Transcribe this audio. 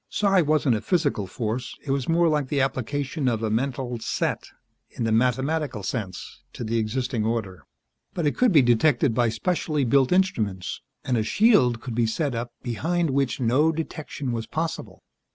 Psi wasn't a physical force; it was more like the application of a mental "set," in the mathematical sense, to the existing order. But it could be detected by specially built instruments and a shield could be set up behind which no detection was possible.